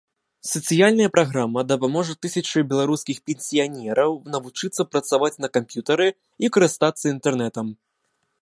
Сацыяльная праграма дапаможа тысячы беларускіх пенсіянераў навучыцца працаваць на камп'ютары і карыстацца інтэрнэтам.